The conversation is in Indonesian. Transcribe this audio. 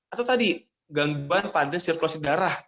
atau tadi gangguan pada sirkulasi darah